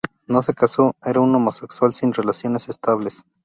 No se casó, era un homosexual sin relaciones estables.